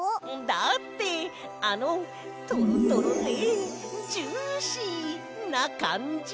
だってあのトロトロでジューシーなかんじ！